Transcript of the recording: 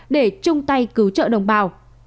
để chung tay cứu trợ đồng bào